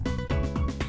dạ xin chân thành cảm ơn